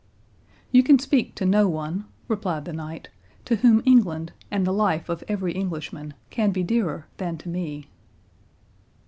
"You can speak to no one," replied the knight, "to whom England, and the life of every Englishman, can be dearer than to me."